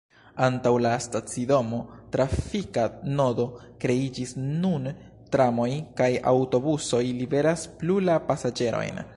Antaŭ la stacidomo trafika nodo kreiĝis, nun tramoj kaj aŭtobusoj liveras plu la pasaĝerojn.